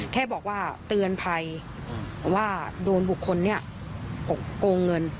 แค่บอกว่าเตือนภัยว่าโดนบุคคลนี้โกงเงิน